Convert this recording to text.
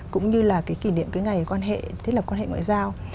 cũng như là cái kỷ niệm cái ngày quan hệ thiết lập quan hệ ngoại giao